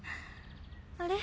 あれ？